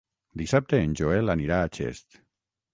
Dissabte en Joel anirà a Xest.